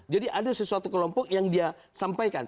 jadi ada sesuatu kelompok yang dia sampaikan